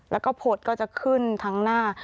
แล้วก็ผดก็จะขึ้นทั้งหน้า